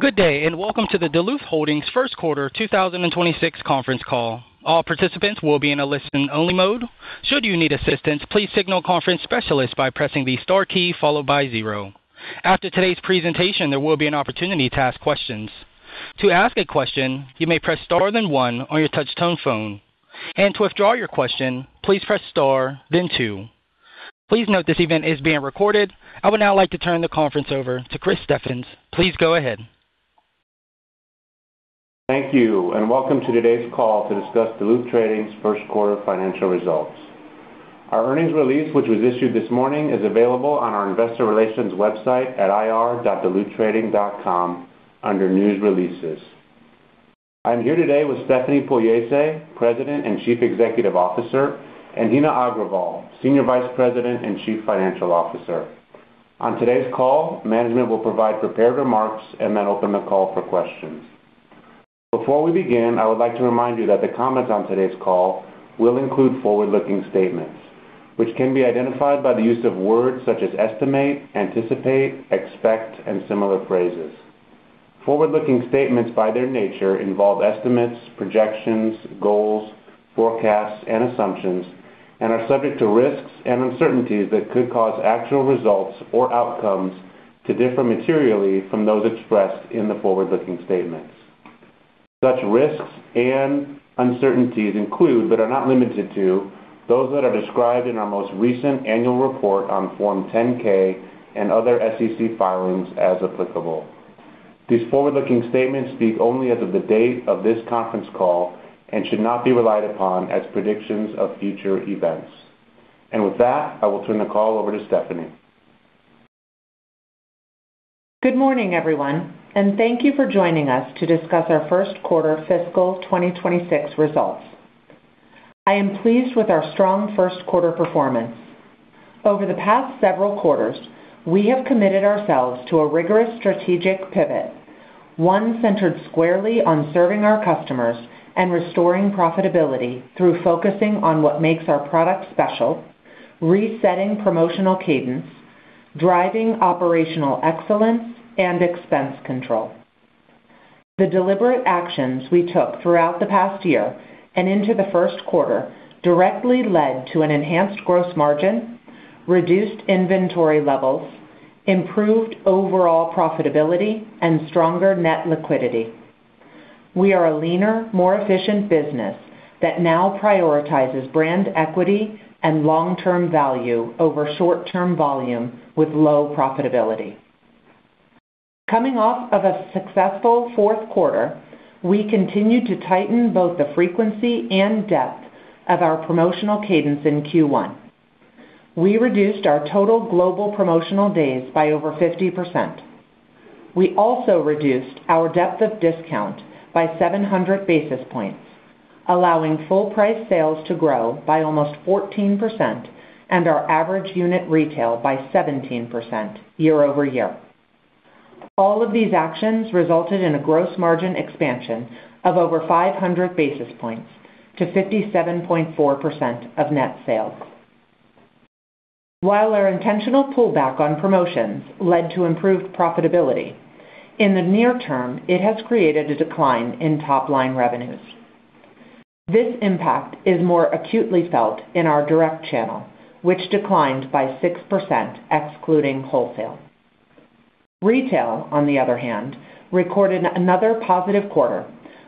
Good day, and welcome to the Duluth Holdings first quarter 2026 conference call. All participants will be in a listen-only mode. Should you need assistance, please signal conference specialist by pressing the star key followed by zero. After today's presentation, there will be an opportunity to ask questions. To ask a question, you may press star, then one on your touchtone phone. To withdraw your question, please press star, then two. Please note this event is being recorded. I would now like to turn the conference over to Chris Steffes. Please go ahead. Thank you, and welcome to today's call to discuss Duluth Trading's first quarter financial results. Our earnings release, which was issued this morning, is available on our investor relations website at ir.duluthtrading.com under News Releases. I am here today with Stephanie Pugliese, President and Chief Executive Officer, and Heena Agrawal, Senior Vice President and Chief Financial Officer. On today's call, management will provide prepared remarks and then open the call for questions. Before we begin, I would like to remind you that the comments on today's call will include forward-looking statements, which can be identified by the use of words such as estimate, anticipate, expect, and similar phrases. Forward-looking statements, by their nature, involve estimates, projections, goals, forecasts, and assumptions and are subject to risks and uncertainties that could cause actual results or outcomes to differ materially from those expressed in the forward-looking statements. Such risks and uncertainties include, but are not limited to, those that are described in our most recent annual report on Form 10-K and other SEC filings as applicable. These forward-looking statements speak only as of the date of this conference call and should not be relied upon as predictions of future events. With that, I will turn the call over to Stephanie. Good morning, everyone, and thank you for joining us to discuss our first quarter fiscal 2026 results. I am pleased with our strong first quarter performance. Over the past several quarters, we have committed ourselves to a rigorous strategic pivot, one centered squarely on serving our customers and restoring profitability through focusing on what makes our products special, resetting promotional cadence, driving operational excellence, and expense control. The deliberate actions we took throughout the past year and into the first quarter directly led to an enhanced gross margin, reduced inventory levels, improved overall profitability, and stronger net liquidity. We are a leaner, more efficient business that now prioritizes brand equity and long-term value over short-term volume with low profitability. Coming off of a successful fourth quarter, we continued to tighten both the frequency and depth of our promotional cadence in Q1. We reduced our total global promotional days by over 50%. We also reduced our depth of discount by 700 basis points, allowing full price sales to grow by almost 14% and our average unit retail by 17% year-over-year. All of these actions resulted in a gross margin expansion of over 500 basis points to 57.4% of net sales. While our intentional pullback on promotions led to improved profitability, in the near term, it has created a decline in top-line revenues. This impact is more acutely felt in our direct channel, which declined by 6%, excluding wholesale. Retail, on the other hand, recorded another positive quarter,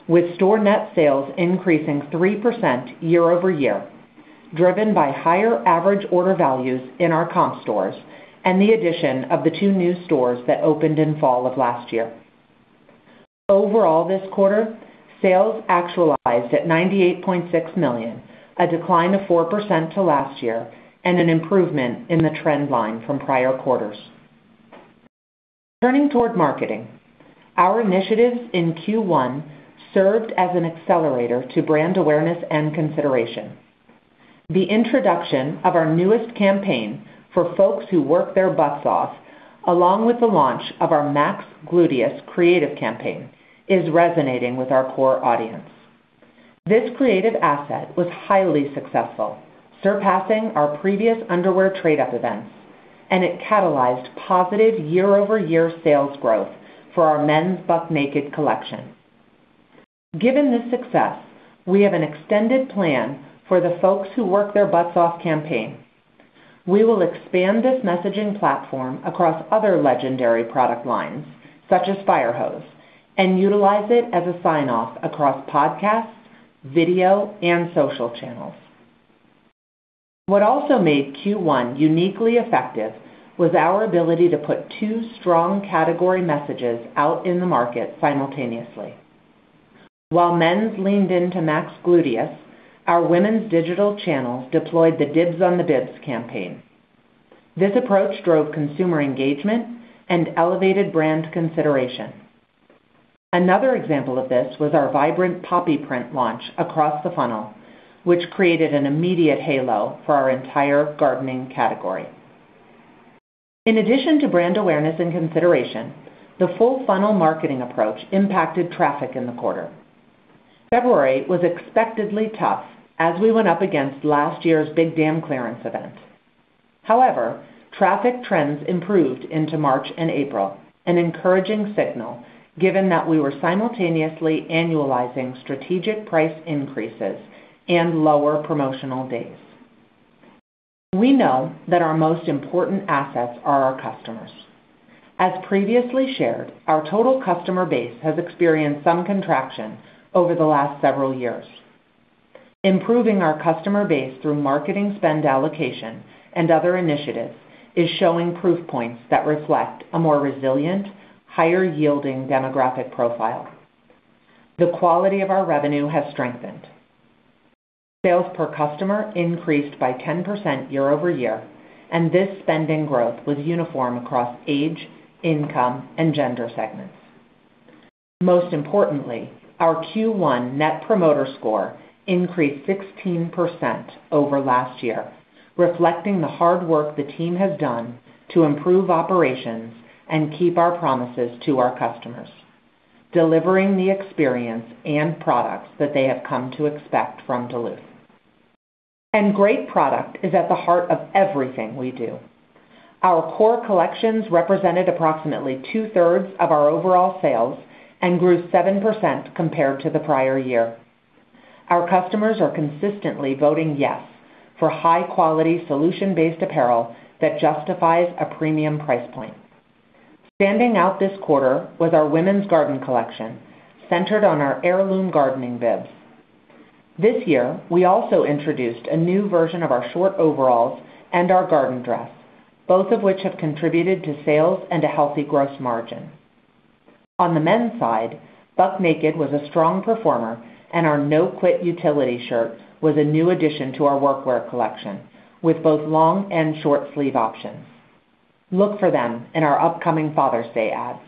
with store net sales increasing 3% year-over-year, driven by higher average order values in our comp stores and the addition of the two new stores that opened in fall of last year. Overall, this quarter, sales actualized at $98.6 million, a decline of 4% to last year and an improvement in the trend line from prior quarters. Turning toward marketing, our initiatives in Q1 served as an accelerator to brand awareness and consideration. The introduction of our newest campaign for folks who work their butts off, along with the launch of our Max Gluteus creative campaign, is resonating with our core audience. This creative asset was highly successful, surpassing our previous underwear trade-up events, and it catalyzed positive year-over-year sales growth for our men's Buck Naked collection. Given this success, we have an extended plan for the folks who work their butts off campaign. We will expand this messaging platform across other legendary product lines, such as Firehose, and utilize it as a sign-off across podcasts, video, and social channels. What also made Q1 uniquely effective was our ability to put two strong category messages out in the market simultaneously. While men's leaned into Max Gluteus, our women's digital channels deployed the Dibs On The Bibs campaign. This approach drove consumer engagement and elevated brand consideration. Another example of this was our vibrant poppy print launch across the funnel, which created an immediate halo for our entire gardening category. In addition to brand awareness and consideration, the full funnel marketing approach impacted traffic in the quarter. February was expectedly tough as we went up against last year's Big Dam clearance event. However, traffic trends improved into March and April, an encouraging signal given that we were simultaneously annualizing strategic price increases and lower promotional days. We know that our most important assets are our customers. As previously shared, our total customer base has experienced some contraction over the last several years. Improving our customer base through marketing spend allocation and other initiatives is showing proof points that reflect a more resilient, higher-yielding demographic profile. The quality of our revenue has strengthened. Sales per customer increased by 10% year-over-year, and this spending growth was uniform across age, income, and gender segments. Most importantly, our Q1 net promoter score increased 16% over last year, reflecting the hard work the team has done to improve operations and keep our promises to our customers, delivering the experience and products that they have come to expect from Duluth. Great product is at the heart of everything we do. Our core collections represented approximately 2/3 of our overall sales and grew 7% compared to the prior year. Our customers are consistently voting "Yes" for high-quality, solution-based apparel that justifies a premium price point. Standing out this quarter was our women's garden collection, centered on our heirloom gardening bibs. This year, we also introduced a new version of our short overalls and our garden dress, both of which have contributed to sales and a healthy gross margin. On the men's side, Buck Naked was a strong performer, and our No Quit utility shirt was a new addition to our workwear collection, with both long and short sleeve options. Look for them in our upcoming Father's Day ads.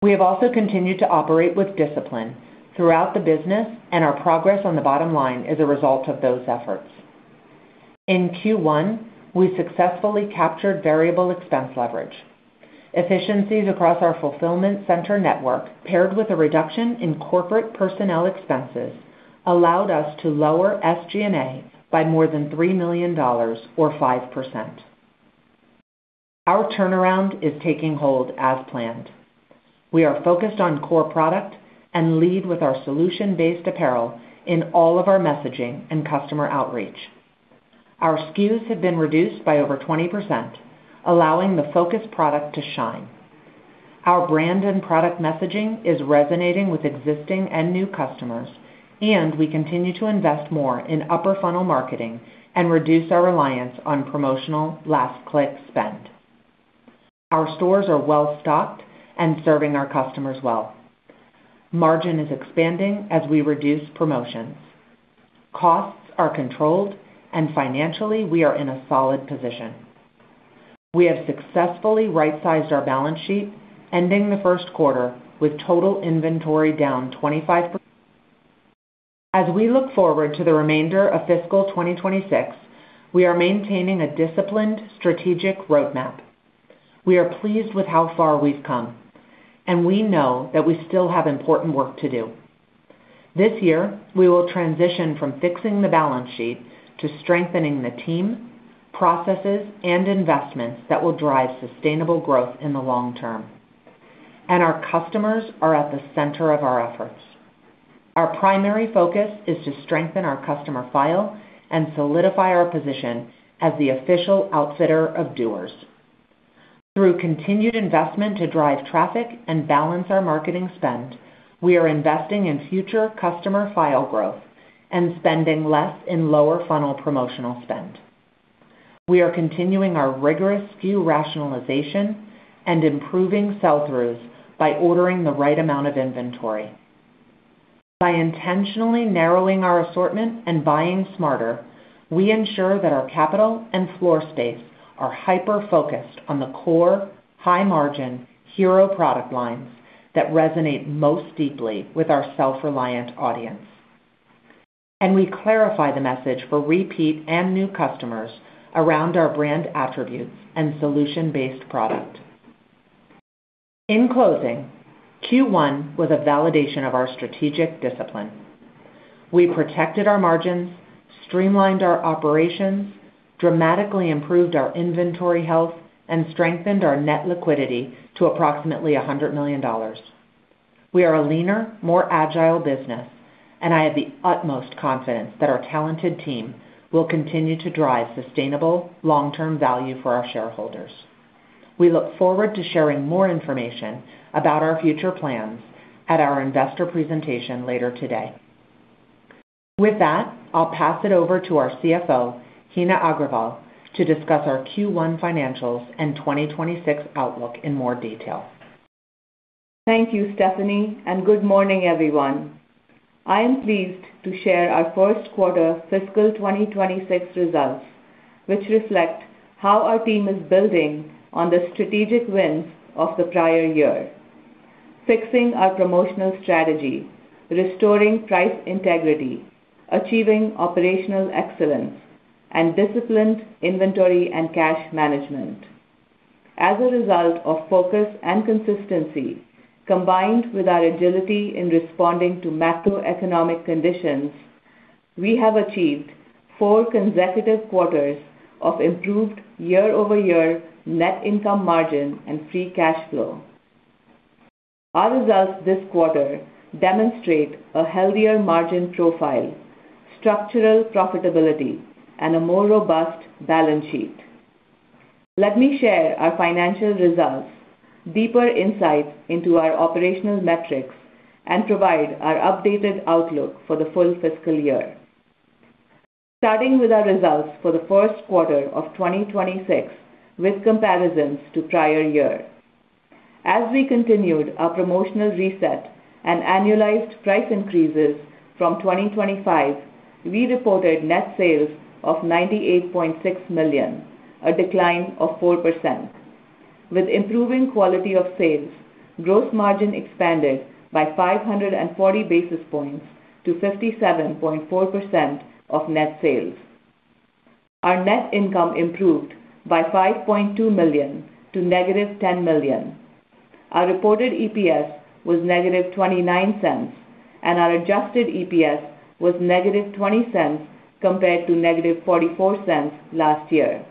We have also continued to operate with discipline throughout the business, and our progress on the bottom line is a result of those efforts. In Q1, we successfully captured variable expense leverage. Efficiencies across our fulfillment center network, paired with a reduction in corporate personnel expenses, allowed us to lower SG&A by more than $3 million, or 5%. Our turnaround is taking hold as planned. We are focused on core product and lead with our solution-based apparel in all of our messaging and customer outreach. Our SKUs have been reduced by over 20%, allowing the focus product to shine. Our brand and product messaging is resonating with existing and new customers, and we continue to invest more in upper funnel marketing and reduce our reliance on promotional last click spend. Our stores are well stocked and serving our customers well. Margin is expanding as we reduce promotions. Costs are controlled, and financially, we are in a solid position. We have successfully right-sized our balance sheet, ending the first quarter with total inventory down 25%. As we look forward to the remainder of fiscal 2026, we are maintaining a disciplined strategic roadmap. We are pleased with how far we've come, and we know that we still have important work to do. This year, we will transition from fixing the balance sheet to strengthening the team, processes, and investments that will drive sustainable growth in the long term. Our customers are at the center of our efforts. Our primary focus is to strengthen our customer file and solidify our position as the official outfitter of doers. Through continued investment to drive traffic and balance our marketing spend, we are investing in future customer file growth and spending less in lower funnel promotional spend. We are continuing our rigorous SKU rationalization and improving sell-throughs by ordering the right amount of inventory. By intentionally narrowing our assortment and buying smarter, we ensure that our capital and floor space are hyper-focused on the core, high-margin hero product lines that resonate most deeply with our self-reliant audience. We clarify the message for repeat and new customers around our brand attributes and solution-based product. In closing, Q1 was a validation of our strategic discipline. We protected our margins, streamlined our operations, dramatically improved our inventory health, and strengthened our net liquidity to approximately $100 million. We are a leaner, more agile business. I have the utmost confidence that our talented team will continue to drive sustainable long-term value for our shareholders. We look forward to sharing more information about our future plans at our investor presentation later today. With that, I'll pass it over to our CFO, Heena Agrawal, to discuss our Q1 financials and 2026 outlook in more detail. Thank you, Stephanie, and good morning, everyone. I am pleased to share our first quarter fiscal 2026 results, which reflect how our team is building on the strategic wins of the prior year. Fixing our promotional strategy, restoring price integrity, achieving operational excellence, and disciplined inventory and cash management. As a result of focus and consistency, combined with our agility in responding to macroeconomic conditions, we have achieved four consecutive quarters of improved year-over-year net income margin and free cash flow. Our results this quarter demonstrate a healthier margin profile, structural profitability, and a more robust balance sheet. Let me share our financial results, deeper insights into our operational metrics, and provide our updated outlook for the full fiscal year. Starting with our results for the first quarter of 2026, with comparisons to prior year. We continued our promotional reset and annualized price increases from 2025, we reported net sales of $98.6 million, a decline of 4%. With improving quality of sales, gross margin expanded by 540 basis points to 57.4% of net sales. Our net income improved by $5.2 million to $-10 million. Our reported EPS was $-0.29, and our adjusted EPS was $-0.20 compared to $-0.44 last year.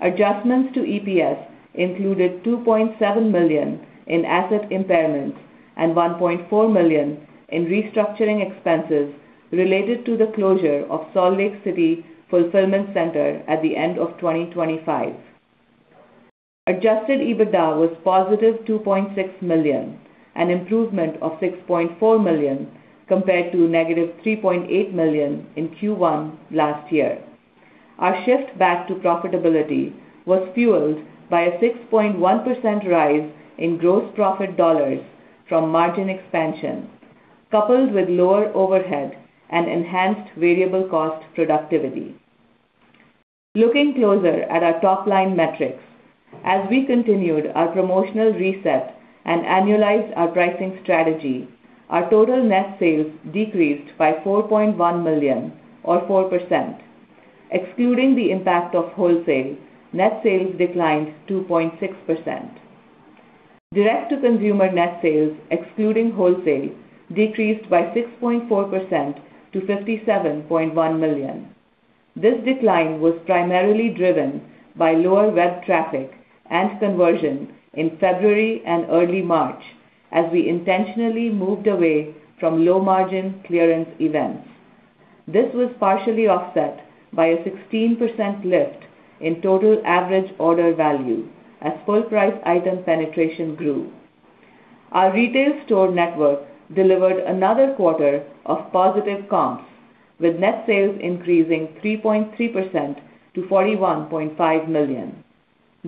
Adjustments to EPS included $2.7 million in asset impairments and $1.4 million in restructuring expenses related to the closure of Salt Lake City fulfillment center at the end of 2025. Adjusted EBITDA was $+2.6 million, an improvement of $6.4 million compared to $-3.8 million in Q1 last year. Our shift back to profitability was fueled by a 6.1% rise in gross profit dollars from margin expansion, coupled with lower overhead and enhanced variable cost productivity. Looking closer at our top-line metrics, we continued our promotional reset and annualized our pricing strategy, our total net sales decreased by $4.1 million or 4%. Excluding the impact of wholesale, net sales declined 2.6%. Direct-to-consumer net sales, excluding wholesale, decreased by 6.4% to $57.1 million. This decline was primarily driven by lower web traffic and conversion in February and early March, as we intentionally moved away from low-margin clearance events. This was partially offset by a 16% lift in total average order value as full-price item penetration grew. Our retail store network delivered another quarter of positive comps, with net sales increasing 3.3% to $41.5 million.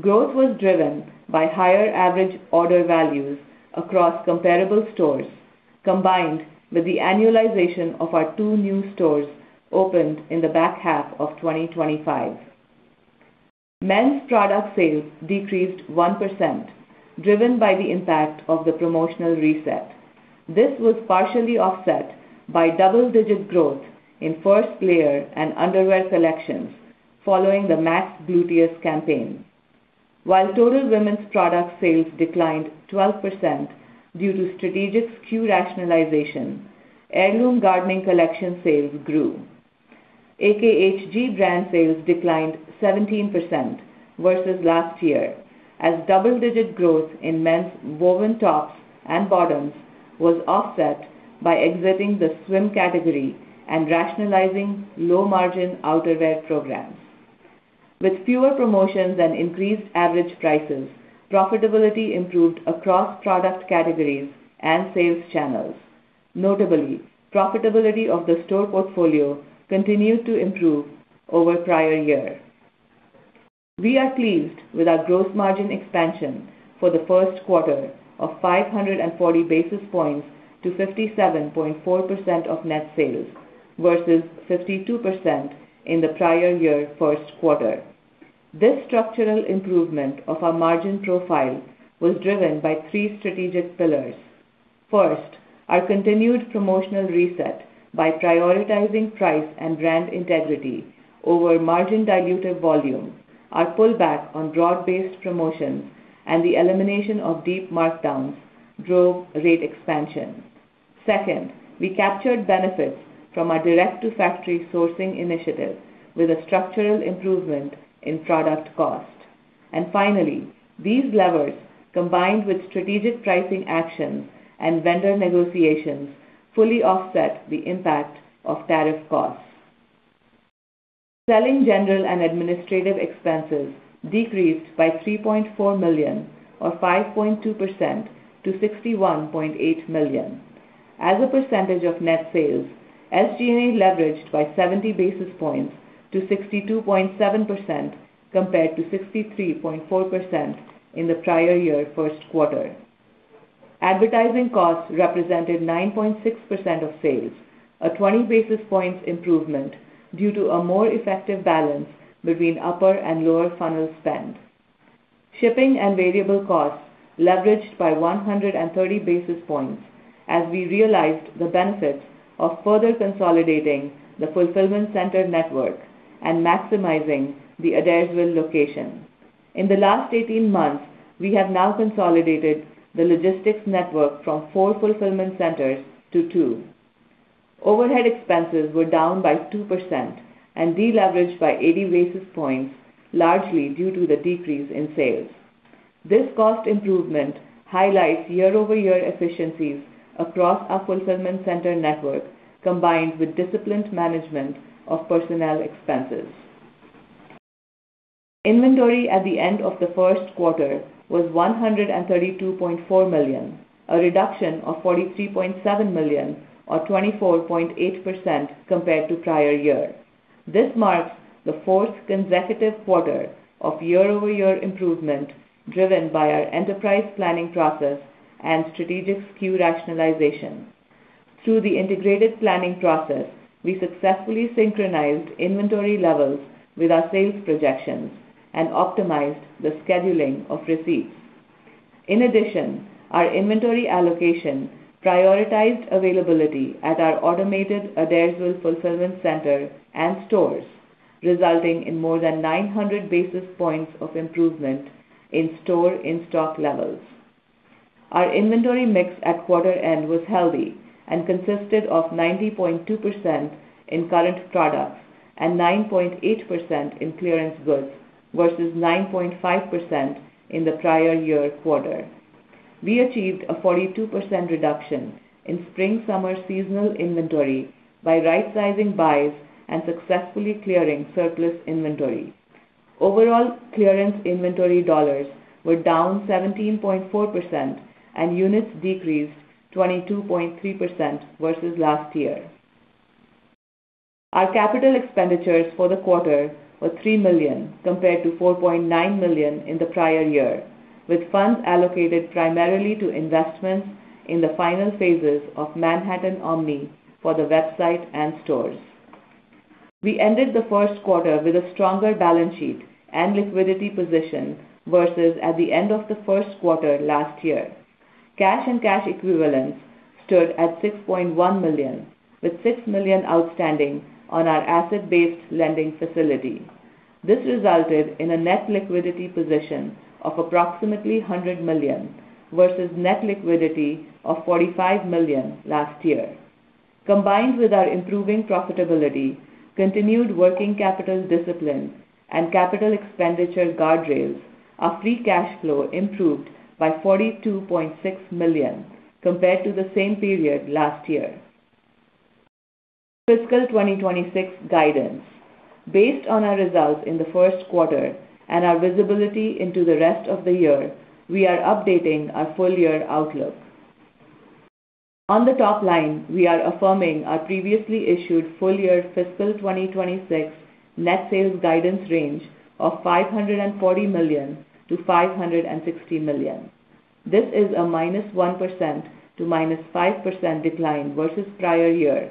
Growth was driven by higher average order values across comparable stores, combined with the annualization of our two new stores opened in the back half of 2025. Men's product sales decreased 1%, driven by the impact of the promotional reset. This was partially offset by double-digit growth in first layer and underwear collections following the Max Gluteus campaign. Total women's product sales declined 12% due to strategic SKU rationalization, heirloom gardening collection sales grew. AKHG brand sales declined 17% versus last year, double-digit growth in men's woven tops and bottoms was offset by exiting the swim category and rationalizing low-margin outerwear programs. With fewer promotions and increased average prices, profitability improved across product categories and sales channels. Notably, profitability of the store portfolio continued to improve over prior year. We are pleased with our gross margin expansion for the first quarter of 540 basis points to 57.4% of net sales versus 52% in the prior year first quarter. This structural improvement of our margin profile was driven by three strategic pillars. First, our continued promotional reset by prioritizing price and brand integrity over margin dilutive volume. Our pullback on broad-based promotions and the elimination of deep markdowns drove rate expansion. Second, we captured benefits from our direct-to-factory sourcing initiative with a structural improvement in product cost. Finally, these levers, combined with strategic pricing actions and vendor negotiations, fully offset the impact of tariff costs. Selling, general, and administrative expenses decreased by $3.4 million or 5.2% to $61.8 million. As a percentage of net sales, SG&A leveraged by 70 basis points to 62.7%, compared to 63.4% in the prior year first quarter. Advertising costs represented 9.6% of sales, a 20 basis points improvement due to a more effective balance between upper and lower funnel spend. Shipping and variable costs leveraged by 130 basis points as we realized the benefits of further consolidating the fulfillment center network and maximizing the Adairsville location. In the last 18 months, we have now consolidated the logistics network from four fulfillment centers to two. Overhead expenses were down by 2% and deleveraged by 80 basis points, largely due to the decrease in sales. This cost improvement highlights year-over-year efficiencies across our fulfillment center network, combined with disciplined management of personnel expenses. Inventory at the end of the first quarter was $132.4 million, a reduction of $43.7 million or 24.8% compared to prior year. This marks the fourth consecutive quarter of year-over-year improvement, driven by our enterprise planning process and strategic SKU rationalization. Through the integrated planning process, we successfully synchronized inventory levels with our sales projections and optimized the scheduling of receipts. In addition, our inventory allocation prioritized availability at our automated Adairsville fulfillment center and stores, resulting in more than 900 basis points of improvement in store in-stock levels. Our inventory mix at quarter end was healthy and consisted of 90.2% in current products and 9.8% in clearance goods versus 9.5% in the prior year quarter. We achieved a 42% reduction in spring-summer seasonal inventory by right-sizing buys and successfully clearing surplus inventory. Overall clearance inventory dollars were down 17.4% and units decreased 22.3% versus last year. Our capital expenditures for the quarter were $3 million compared to $4.9 million in the prior year, with funds allocated primarily to investments in the final phases of Manhattan Omni for the website and stores. We ended the first quarter with a stronger balance sheet and liquidity position versus at the end of the first quarter last year. Cash and cash equivalents stood at $6.1 million, with $6 million outstanding on our asset-based lending facility. This resulted in a net liquidity position of approximately $100 million versus net liquidity of $45 million last year. Combined with our improving profitability, continued working capital discipline, and capital expenditure guardrails, our free cash flow improved by $42.6 million compared to the same period last year. Fiscal 2026 guidance. Based on our results in the first quarter and our visibility into the rest of the year, we are updating our full-year outlook. On the top line, we are affirming our previously issued full-year fiscal 2026 net sales guidance range of $540 million-$560 million. This is a -1% to -5% decline versus the prior year,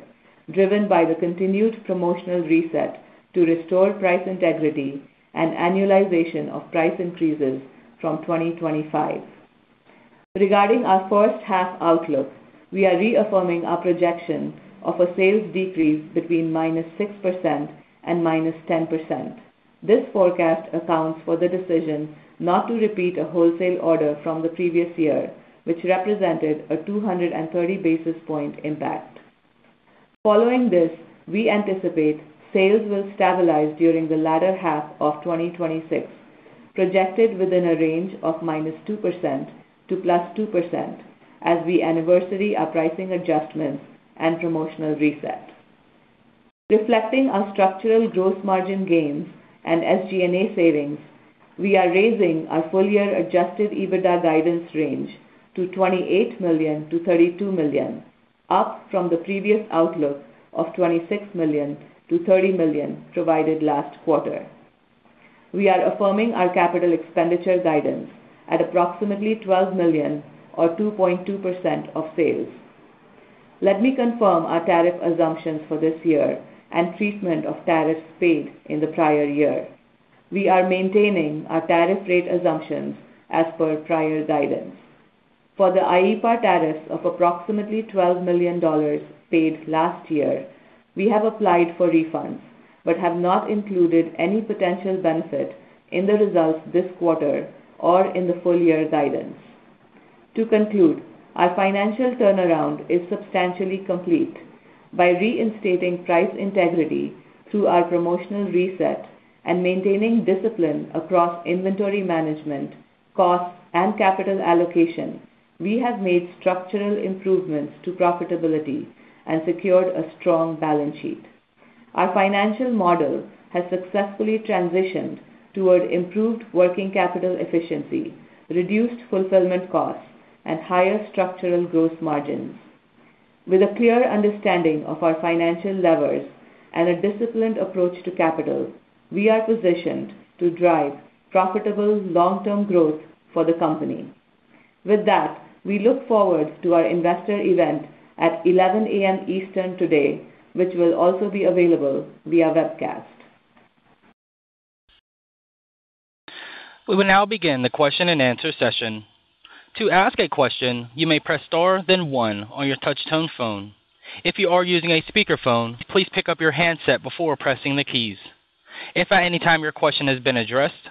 driven by the continued promotional reset to restore price integrity and annualization of price increases from 2025. Regarding our first half outlook, we are reaffirming our projection of a sales decrease between -6% and -10%. This forecast accounts for the decision not to repeat a wholesale order from the previous year, which represented a 230 basis point impact. Following this, we anticipate sales will stabilize during the latter half of 2026, projected within a range of -2% to +2% as we anniversary our pricing adjustments and promotional reset. Reflecting our structural gross margin gains and SG&A savings, we are raising our full-year adjusted EBITDA guidance range to $28 million-$32 million, up from the previous outlook of $26 million-$30 million provided last quarter. We are affirming our capital expenditure guidance at approximately $12 million or 2.2% of sales. Let me confirm our tariff assumptions for this year and treatment of tariffs paid in the prior year. We are maintaining our tariff rate assumptions as per prior guidance. For the IEEPA tariffs of approximately $12 million paid last year, we have applied for refunds but have not included any potential benefit in the results this quarter or in the full-year guidance. To conclude, our financial turnaround is substantially complete. By reinstating price integrity through our promotional reset and maintaining discipline across inventory management, costs, and capital allocation, we have made structural improvements to profitability and secured a strong balance sheet. Our financial model has successfully transitioned toward improved working capital efficiency, reduced fulfillment costs, and higher structural gross margins. With a clear understanding of our financial levers and a disciplined approach to capital, we are positioned to drive profitable long-term growth for the company. With that, we look forward to our investor event at 11:00 A.M. Eastern today, which will also be available via webcast. We will now begin the question-and-answer session. To ask a question, you may press star then one on your touch-tone phone. If you are using a speakerphone, please pick up your handset before pressing the keys. If at any time your question has been addressed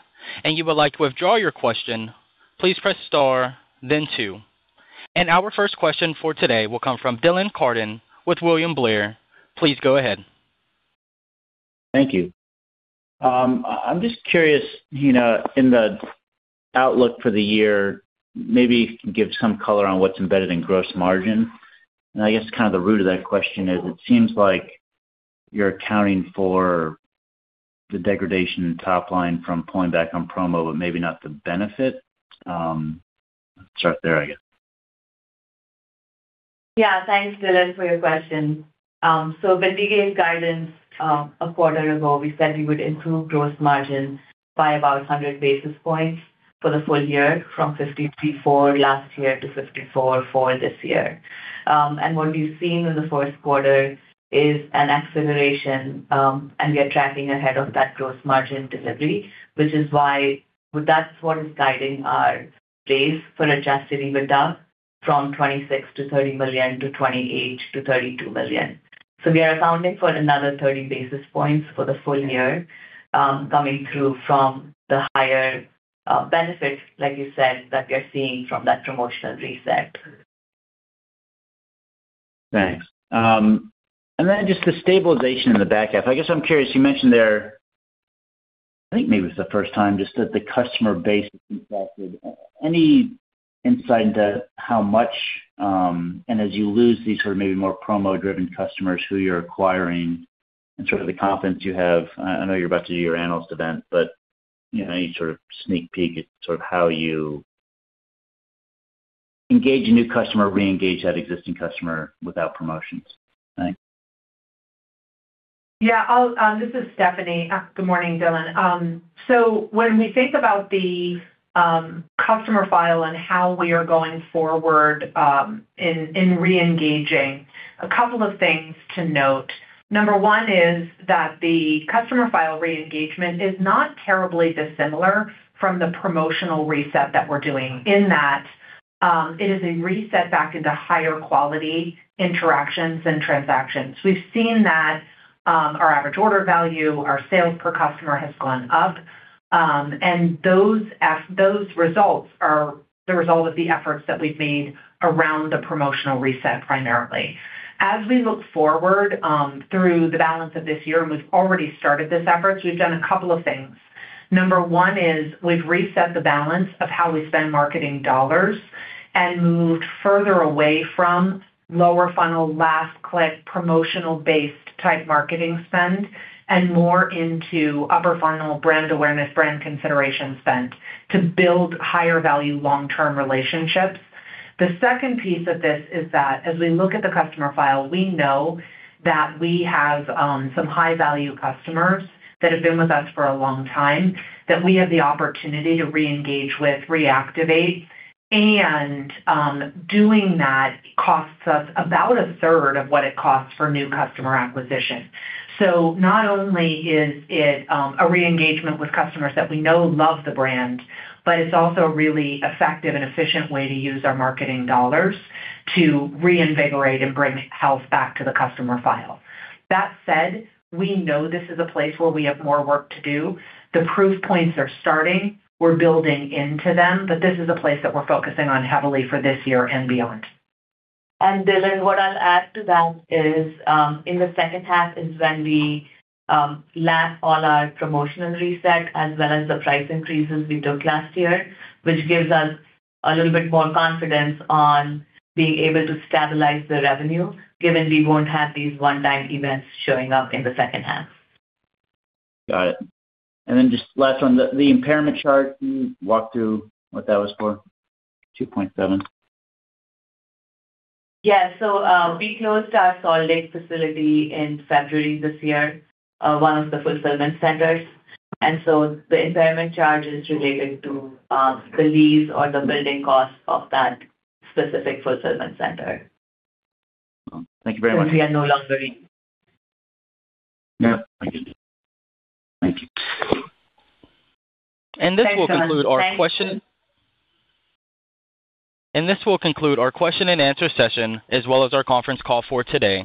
and you would like to withdraw your question, please press star then two. Our first question for today will come from Dylan Carden with William Blair. Please go ahead. Thank you. I'm just curious, Heena, in the outlook for the year, maybe you can give some color on what's embedded in gross margin. I guess the root of that question is it seems like you're accounting for the degradation in top line from pulling back on promo, but maybe not the benefit. I'll start there, I guess. Yeah. Thanks, Dylan, for your question. When we gave guidance a quarter ago, we said we would improve gross margins by about 100 basis points for the full year, from 53.4% last year to 54.4% this year. What we've seen in the first quarter is an acceleration, and we are tracking ahead of that gross margin delivery, which is why that's what is guiding our raise for adjusted EBITDA from $26 million-$30 million to $28 million-$32 million. We are accounting for another 30 basis points for the full year, coming through from the higher benefits, like you said, that we are seeing from that promotional reset. Thanks. Just the stabilization in the back half. I guess I'm curious, you mentioned there, I think maybe it was the first time, just that the customer base has impacted. Any insight into how much, and as you lose these sort of maybe more promo-driven customers who you're acquiring and sort of the confidence you have. I know you're about to do your analyst event, any sort of sneak peek at how you engage a new customer, re-engage that existing customer without promotions? Thanks. Yeah. This is Stephanie. Good morning, Dylan. When we think about the customer file and how we are going forward in re-engaging, a couple of things to note. Number one is that the customer file re-engagement is not terribly dissimilar from the promotional reset that we're doing in that it is a reset back into higher quality interactions and transactions. We've seen that our average order value, our sales per customer has gone up. Those results are the result of the efforts that we've made around the promotional reset primarily. As we look forward through the balance of this year, and we've already started this effort, we've done a couple of things. Number one is we've reset the balance of how we spend marketing dollars and moved further away from lower funnel, last click, promotional-based type marketing spend, and more into upper funnel brand awareness, brand consideration spend to build higher value long-term relationships. The second piece of this is that as we look at the customer file, we know that we have some high-value customers that have been with us for a long time that we have the opportunity to re-engage with, reactivate, and doing that costs us about a third of what it costs for new customer acquisition. Not only is it a re-engagement with customers that we know love the brand, but it's also a really effective and efficient way to use our marketing dollars to reinvigorate and bring health back to the customer file. That said, we know this is a place where we have more work to do. The proof points are starting. We're building into them, but this is a place that we're focusing on heavily for this year and beyond. Dylan, what I'll add to that is, in the second half is when we lap all our promotional reset as well as the price increases we took last year, which gives us a little bit more confidence on being able to stabilize the revenue, given we won't have these one-time events showing up in the second half. Got it. Just last, on the impairment chart, can you walk through what that was for? $2.7. Yeah. We closed our Salt Lake facility in February this year, one of the fulfillment centers. The impairment charge is related to the lease or the building cost of that specific fulfillment center. Thank you very much. Since we are no longer in. Yeah. Thank you. This will conclude our question- Thanks, Dylan. Thanks. This will conclude our question-and answer session, as well as our conference call for today.